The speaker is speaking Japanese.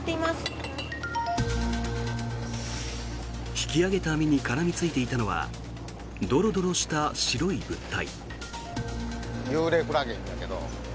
引き揚げた網に絡みついていたのはドロドロした白い物体。